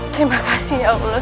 terima kasih ya allah